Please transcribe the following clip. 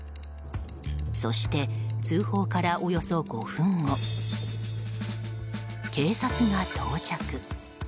そして通報からおよそ５分後警察が到着。